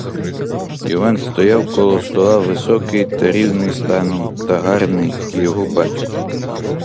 Іван стояв коло стола високий та рівний станом, та гарний, як і його батько.